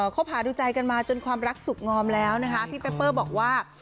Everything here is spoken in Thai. คบหาดูใจกันมาจนความรักสุขงอมแล้วนะคะพี่เปเปอร์บอกว่า